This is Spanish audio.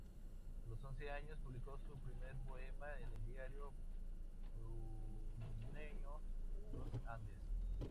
A los once años publicó sus primeros poemas en el diario puneño Los Andes.